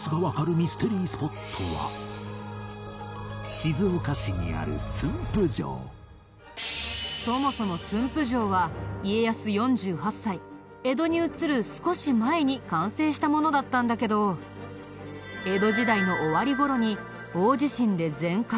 ミステリースポットはそもそも駿府城は家康４８歳江戸に移る少し前に完成したものだったんだけど江戸時代の終わり頃に大地震で全壊。